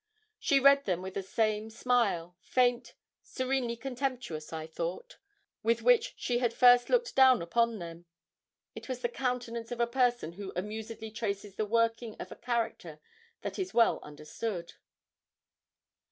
She read them with the same smile faint, serenely contemptuous, I thought with which she had first looked down upon them. It was the countenance of a person who amusedly traces the working of a character that is well understood.